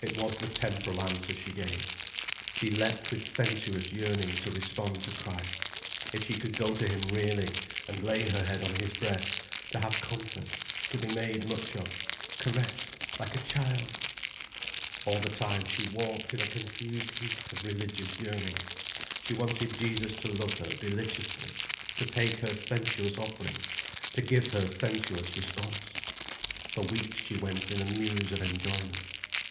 It was the temporal answer she gave. She leapt with sensuous yearning to respond to Christ. If she could go to him really, and lay her head on his breast, to have comfort, to be made much of, caressed like a child! All the time she walked in a confused heat of religious yearning. She wanted Jesus to love her deliciously, to take her sensuous offering, to give her sensuous response. For weeks she went in a muse of enjoyment.